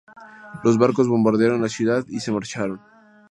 Los barcos bombardearon la ciudad y se marcharon.